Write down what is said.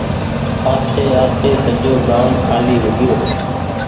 آستي آستي سجو گآم کآلي هوگئيو۔